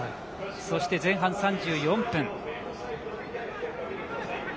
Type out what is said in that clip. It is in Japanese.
そして前半３４分。